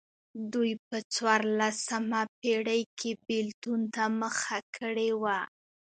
دوی په څوارلسمه پېړۍ کې بېلتون ته مخه کړې وه.